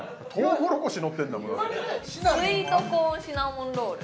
もんだってスイートコーンシナモンロール